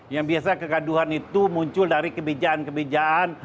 yang biasa kegaduhan itu muncul dari kebijaan kebijaan